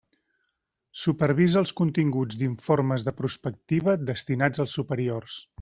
Supervisa els continguts d'informes de prospectiva destinats als superiors.